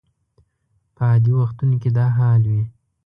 په عادي وختونو کې دا حال وي.